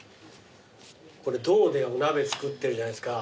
これ銅でお鍋作ってるじゃないですか。